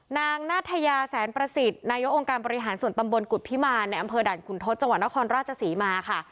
นาธยาแสนประสิทธิ์นายกองค์การบริหารส่วนตำบลกุฎพิมารในอำเภอด่านขุนทศจังหวัดนครราชศรีมาค่ะ